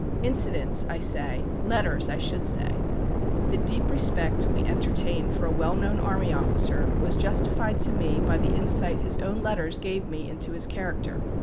Incidents, I say; letters, I should say. The deep respect we entertain for a well known army officer was justified to me by the insight his own letters gave me into his character.